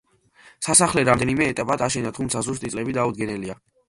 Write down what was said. სასახლე რამდენიმე ეტაპად აშენდა, თუმცა ზუსტი წლები დაუდგენელია.